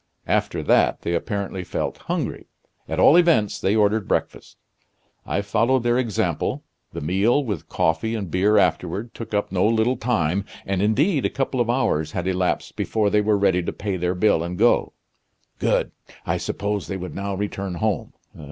After that they apparently felt hungry. At all events they ordered breakfast. I followed their example. The meal, with coffee and beer afterward, took up no little time, and indeed a couple of hours had elapsed before they were ready to pay their bill and go. Good! I supposed they would now return home.